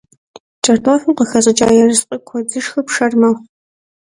КӀэртӀофым къыхэщӀыкӀа ерыскъы куэд зышхыр пшэр мэхъу.